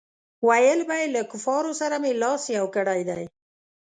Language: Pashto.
ویل به یې له کفارو سره مې لاس یو کړی دی.